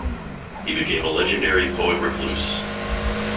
He became a legendary poet-recluse.